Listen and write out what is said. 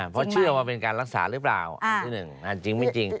เพราะเชื่อว่าเป็นการรักษาหรือเปล่าอันที่หนึ่งจริงไม่จริง